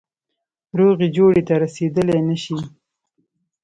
روغي جوړي ته رسېدلای نه سي.